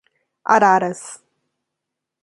Araras